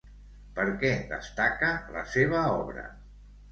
Per què destaca la seva obra?